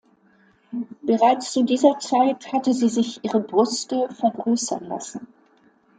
Bereits zu dieser Zeit hatte sie sich ihre Brüste vergrößern lassen.